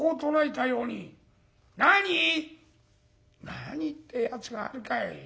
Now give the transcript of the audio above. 「何ってやつがあるかい。